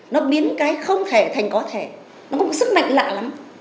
nó biến cái không thể thành có thể nó có một sức mạnh lạ lắm